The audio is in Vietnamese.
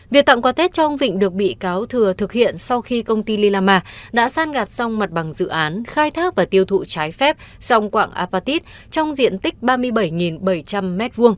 việc tặng quà tết cho ông vịnh được bị cáo thừa thực hiện sau khi công ty lilama đã san gạt xong mặt bằng dự án khai thác và tiêu thụ trái phép song quạng apatit trong diện tích ba mươi bảy bảy trăm linh m hai